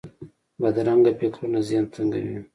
بدرنګه فکرونه ذهن تنګوي